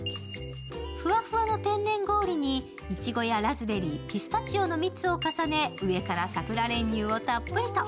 ふわふわの天然氷にいちごやラズベリー、ピスタチオの蜜を重ね、上からさくら練乳をたっぷりと。